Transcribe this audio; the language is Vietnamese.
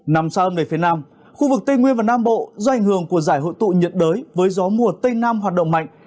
nằm xa hơn về phía nam khu vực tây nguyên và nam bộ do ảnh hưởng của giải hội tụ nhiệt đới với gió mùa tây nam hoạt động mạnh